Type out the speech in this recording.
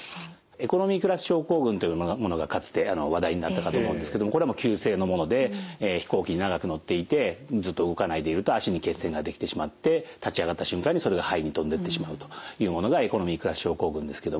エコノミークラス症候群というものがかつて話題になったかと思うんですけどこれも急性のもので飛行機に長く乗っていてずっと動かないでいると脚に血栓ができてしまって立ち上がった瞬間にそれが肺に飛んでってしまうというものがエコノミークラス症候群ですけども。